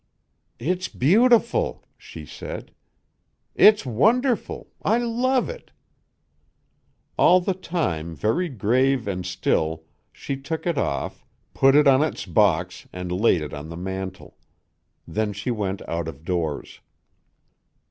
"It's beautiful," she said. "It's wonderful. I love it." All the time very grave and still, she took it off, put it on its box, and laid it on the mantel. Then she went out of doors.